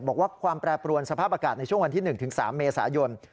ความแปรปรวนสภาพอากาศในช่วงวันที่๑๓เมษายน